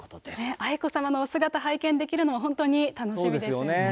愛子さまのお姿、拝見できるのは、本当に楽しみですね。